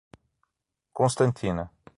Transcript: Constantina